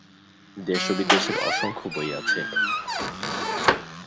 দেশ ও বিদেশের অসংখ্য বই আছে।